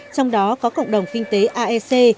trong đó có cộng đồng kinh tế aec